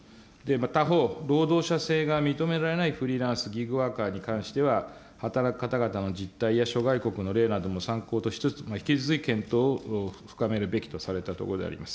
他方、労働者性が認められないフリーランス、ギグワーカーに関しては、働く方々の実態や諸外国の例なども参考としつつ、引き続き検討を深めるべきとされたところであります。